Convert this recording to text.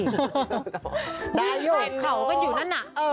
พี่แฟนเขาก็อยู่นั่นอ่ะ